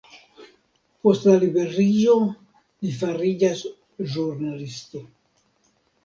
Post la liberiĝo li fariĝas ĵurnalisto.